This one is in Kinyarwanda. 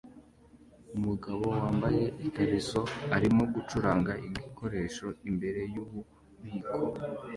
Umugabo wambaye ikariso arimo gucuranga igikoresho imbere yububiko